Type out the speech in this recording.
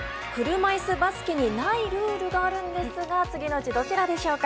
車いすバスケにないルールがあるんですが次のうちどちらでしょうか。